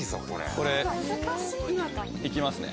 これいきますね。